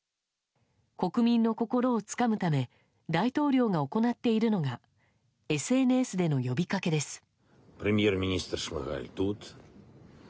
国民の心をつかむため大統領が行っているのがＳＮＳでの呼びかけです。